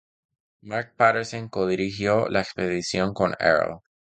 Mark Patterson co-dirigió la expedición con Earle.